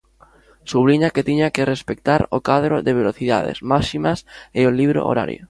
Subliña que tiña que respectar o cadro de velocidades máximas e o libro horario.